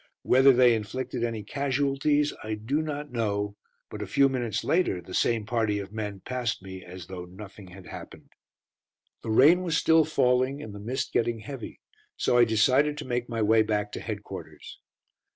Whether they inflicted any casualties I do not know, but a few minutes later the same party of men passed me as though nothing had happened. The rain was still falling, and the mist getting heavy, so I decided to make my way back to headquarters.